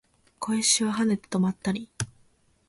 小石は跳ねて止まったり